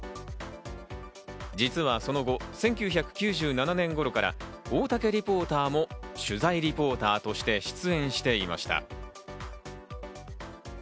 実はその後、１９９７年頃から大竹リポーターも取材リポーターとして出演していました。